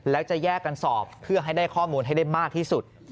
แล้วจะแยกกันสอบเพื่อให้ได้ข้อมูลให้ได้มากที่สุด